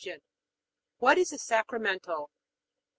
What is a sacramental?